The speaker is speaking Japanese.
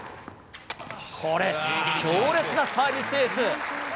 これ、強烈なサービスエース。